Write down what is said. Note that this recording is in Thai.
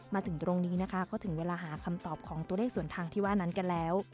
มาถึงตรงนี้นะคะก็ถึงเวลาหาคำตอบของตัวเลขส่วนทางที่ว่านั้นกันแล้ว